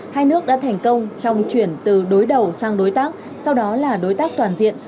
hai nước đã thành công trong chuyển từ đối đầu sang đối tác sau đó là đối tác toàn diện